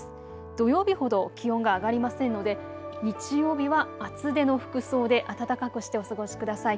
土曜日ほど気温が上がりませんので日曜日は厚手の服装で暖かくしてお過ごしください。